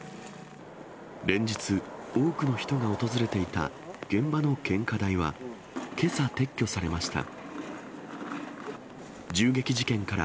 連日、多くの人が訪れていた現場の献花台は、けさ撤去されました。